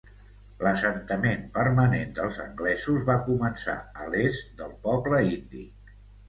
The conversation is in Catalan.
L'assentament permanent dels anglesos va començar a l'est del poble indi.